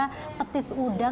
kemudian juga ada petis udang